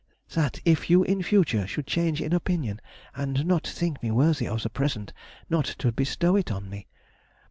that if you in future should change in opinion, and not think me worthy of the present, not to bestow it on me.